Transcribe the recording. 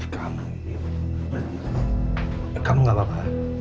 kamu gak apa apa